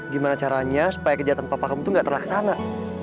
gimana caranya supaya kejahatan papa kamu tuh gak terlaksana